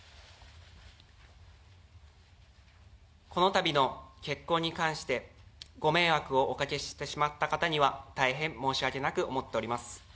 このたびの結婚に関して、ご迷惑をおかけしてしまった方には、大変申し訳なく思っております。